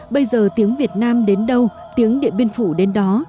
bây giờ tiếng việt nam đến đâu tiếng điện biên phủ đến đó